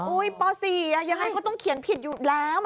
ป๔ยังไงก็ต้องเขียนผิดอยู่แล้ว